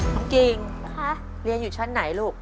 กิ่งเรียนอยู่ชั้นไหนลูก